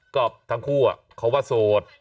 ก็ทั้งคู่เขาว่าโสด